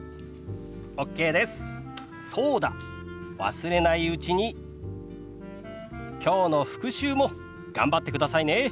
忘れないうちにきょうの復習も頑張ってくださいね。